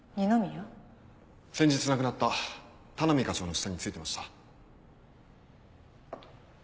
先日亡くなった田波課長の下に就いてました。